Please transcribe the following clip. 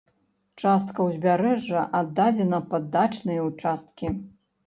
Частка ўзбярэжжа аддадзена пад дачныя ўчасткі.